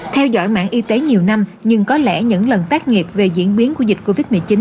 theo dõi mạng y tế nhiều năm nhưng có lẽ những lần tác nghiệp về diễn biến của dịch covid một mươi chín